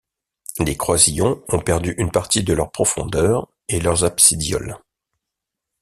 Les croisillons ont perdu une partie de leur profondeur et leurs absidioles.